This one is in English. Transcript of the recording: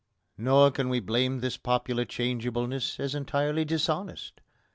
Nor can we blame this popular changeableness as entirely dishonest.